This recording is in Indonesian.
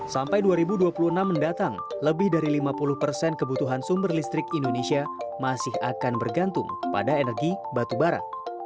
sampai dua ribu dua puluh enam mendatang lebih dari lima puluh persen kebutuhan sumber listrik indonesia masih akan bergantung pada energi batubara